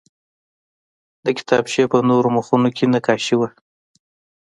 د کتابچې په نورو مخونو کې نقاشي وه